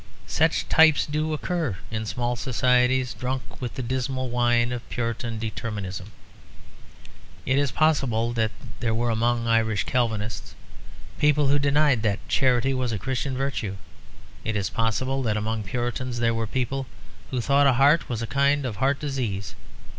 Such types do occur in small societies drunk with the dismal wine of Puritan determinism. It is possible that there were among Irish Calvinists people who denied that charity was a Christian virtue. It is possible that among Puritans there were people who thought a heart was a kind of heart disease.